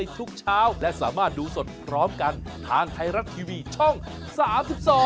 สวัสดีค่ะ